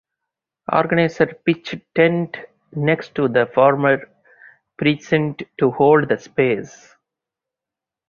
Organizers pitched tents next to the former precinct to hold the space.